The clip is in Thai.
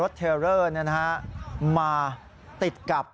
สวัสดีครับ